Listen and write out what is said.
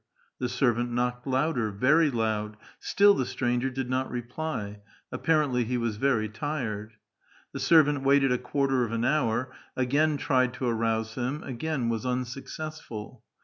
The servant knocked louder, very loud; still the stranger did not reply. Apparently he was very tired. The servant waited a quarter of an hour, again tried to arouse him, again was unsuccessful.